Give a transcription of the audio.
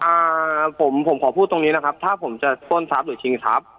อ่าผมผมขอพูดตรงนี้นะครับถ้าผมจะปล้นทรัพย์หรือชิงทรัพย์